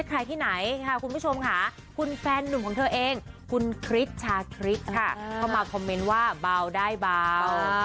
ใครที่ไหนค่ะคุณผู้ชมค่ะคุณแฟนหนุ่มของเธอเองคุณคริสชาคริสค่ะเข้ามาคอมเมนต์ว่าเบาได้เบา